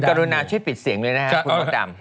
คุณกรุณาชื่อปิดเสียงเลยนะฮะคุณพ่อดำ